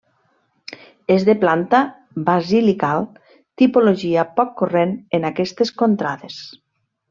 És de planta basilical, tipologia poc corrent en aquestes contrades.